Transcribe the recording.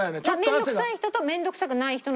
面倒くさい人と面倒くさくない人の違いですよ。